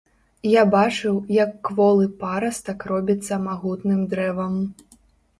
Я бачыў, як кволы парастак робіцца магутным дрэвам.